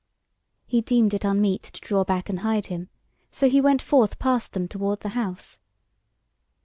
He deemed it unmeet to draw back and hide him, so he went forth past them toward the house.